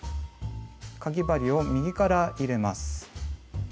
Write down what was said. かぎ針を右から入れます。